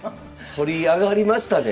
反り上がりましたね。